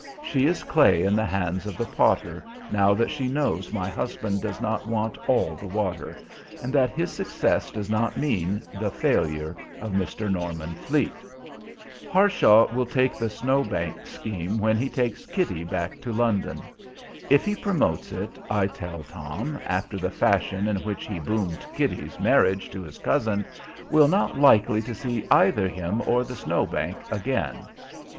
She is clay in the hands of the potter, now that she knows my husband does not want "all the water," and that his success does not mean the failure of Mr. Norman Fleet. Harshaw will take the Snow Bank scheme when he takes Kitty back to London. If he promotes it, I tell Tom, after the fashion in which he "boomed" Kitty's marriage to his cousin, we're not likely to see either him or the Snow Bank again.